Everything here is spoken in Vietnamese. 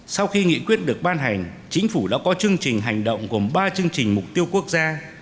sau khi nghị quyết được ban hành chính phủ đã có chương trình hành động gồm ba chương trình mục tiêu quốc gia